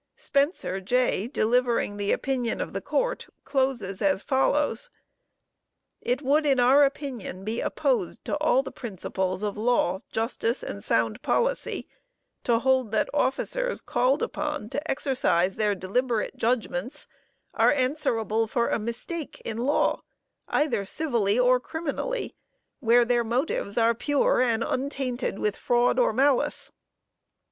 Spencer, J., delivering the opinion of the Court, closes as follows: "It would in our opinion be opposed to all the principles of law, justice and sound policy, to hold that officers called upon to exercise their deliberate judgments, are answerable for a mistake in law, either civilly or criminally, where their motives are pure and untainted with fraud or malice."